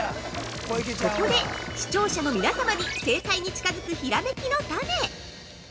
◆ここで、視聴者の皆様に正解に近づく、ひらめきのタネ。